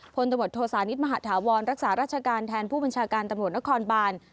พลตมติโทษานิดมหาฐาวรรณรักษารัชการแทนผู้บัญชาการทะมดนครบาน